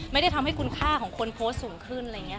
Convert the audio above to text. ไม่ได้ทำให้คุณค่าของคนโพสต์สูงขึ้น